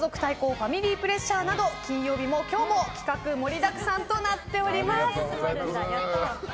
ファミリープレッシャーなど金曜日の今日も企画盛りだくさんとなっています。